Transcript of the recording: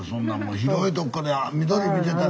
広いとこで緑見てたら。